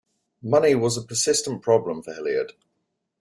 Money was a persistent problem for Hilliard.